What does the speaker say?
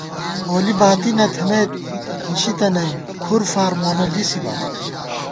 پولی باتی نہ تھنَئیت نِشی تنَئیم کھُر فار مونہ لِسِبا